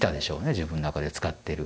自分の中で使ってる。